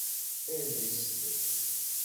Ales-d.